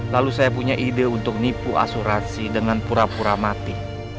lalu saya punya ide untuk nipu asuransi dengan pura pura mati